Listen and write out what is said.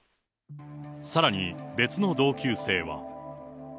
さらに、別の同級生は。